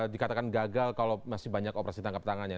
dikatakan gagal kalau masih banyak operasi tangkap tangannya